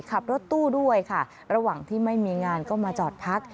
ขับรถตู้ด้วยค่ะระหว่างที่ไม่มีงานก็มาจอดพัก